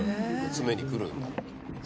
集めに来るんだ。